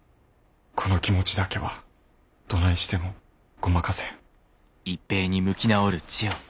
この気持ちだけはどないしてもごまかせん。